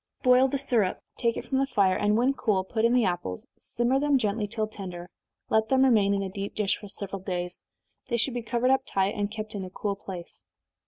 Boil the syrup, take it from the fire, and when cool, put in the apples, simmer them gently till tender, let them remain in a deep dish for several days they should be covered up tight, and kept in a cool place.